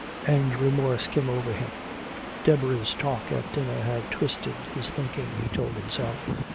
And remorse came over him. Deborah's talk at dinner had twisted his thinking, he told himself.